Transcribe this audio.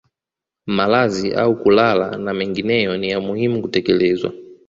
Malazi au kulala na mengineyo ni ya muhimu kutekelezwa